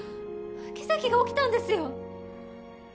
奇跡が起きたんですよ！